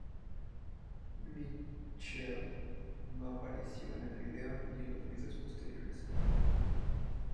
Michael no apareció en este vídeo ni en los vídeos posteriores para el álbum.